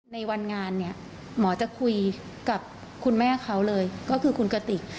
ในวันงานเนี่ยหมอจะคุยกับคุณแม่เขาเลยก็คือคุณกติก